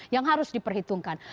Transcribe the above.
yang harus diperhitungkan